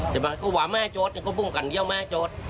เขาว่าแม่จดเขาพุ่งกันเยี่ยวแม่จด